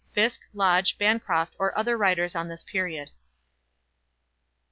Fiske, Lodge, Bancroft or other writers on this period.